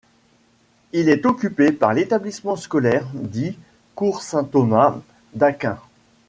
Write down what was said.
Il est occupé par l'établissement scolaire dit Cours Saint-Thomas d'Aquin.